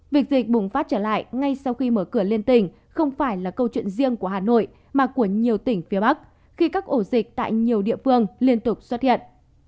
việc dịch bùng phát trở lại ngay sau khi mở cửa liên tỉnh không phải là câu chuyện riêng của hà nội mà của nhiều tỉnh phía bắc khi các ổ dịch tại nhiều địa phương liên tục xuất hiện